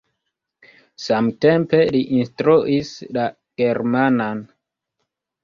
Samtempe li instruis la germanan.